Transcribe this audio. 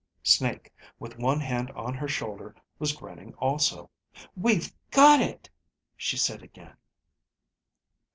Snake, with one hand on her shoulder, was grinning also. "We've got it!" she said again.